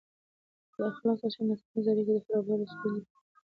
بې اخلاقه چلند د ټولنیزو اړیکو خرابوالی او ستونزې پیدا کوي.